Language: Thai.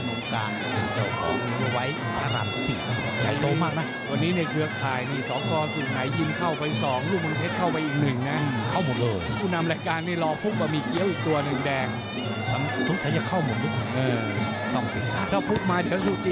ดรแก้วดรแก้วหรือว่าดรชายรักษ์จำนวงการเป็นเจ้าของเวลาไว้พระรามสิทธิ์